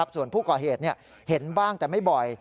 ส่วนผู้ก่อเหตุเห็นบ้างแต่ไม่บ่อย